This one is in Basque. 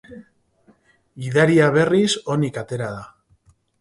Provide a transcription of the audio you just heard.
Gidaria, berriz, onik atera da.